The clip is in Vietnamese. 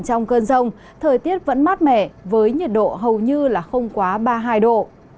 trong cơn rông thời tiết vẫn mát mẻ với nhiệt độ hầu như là không quá ba mươi hai độ